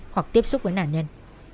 hoặc tiếp xúc với nạn nhân